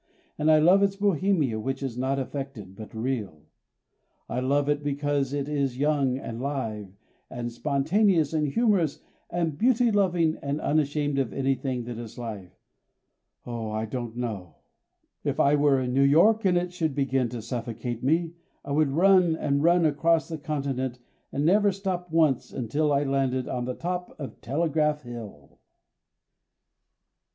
And I love its Bohemia which is not affected, but real. I love it because it is young and live and spontaneous and humorous and beauty loving and unashamed of anything that is life. Oh, I don't know. If I were in New York and it should begin to suffocate me I would run and run across the continent and never stop once until I landed on the top of Telegraph Hill.